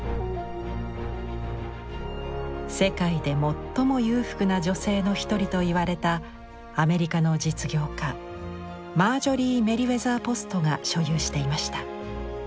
世界で最も裕福な女性の一人といわれたアメリカの実業家マージョリー・メリウェザー・ポストが所有していました。